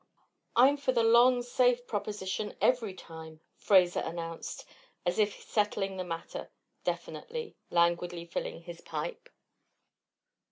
"I'm for the long, safe proposition every time," Fraser announced, as if settling the matter definitely, languidly filling his pipe.